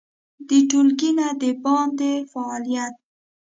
د ټولګي نه د باندې فعالیت